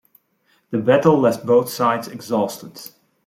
The battle left both sides exhausted.